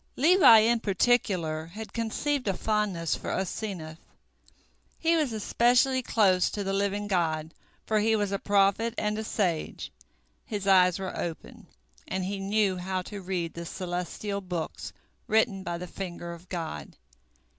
Levi in particular had conceived a fondness for Asenath. He was especially close to the Living God, for he was a prophet and a sage, his eyes were open, and he knew how to read the celestial books written by the finger of God.